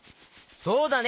そうだね！